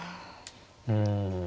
うん。